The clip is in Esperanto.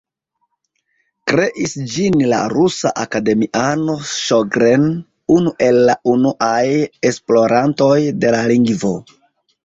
Kreis ĝin la rusa akademiano Ŝogren, unu el la unuaj esplorantoj de la lingvo.